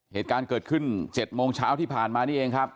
เหตุการณ์เกิดขึ้น๗โมงเช้าที่ผ่านมานี่เองครับ